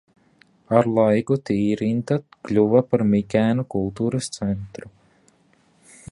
Ar laiku Tīrinta kļuva par Mikēnu kultūras centru.